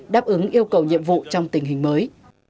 đáp ứng yêu cầu nhiệm vụ trong tình hình mới